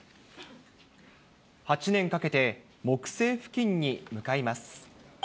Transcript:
８年かけて、木星付近に向かいます。